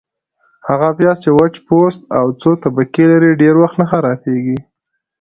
- هغه پیاز چي وچ پوست او څو طبقې لري، ډېر وخت نه خرابیږي.